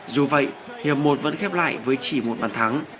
dù vậy hiệp một vẫn khép lại với chỉ một bàn thắng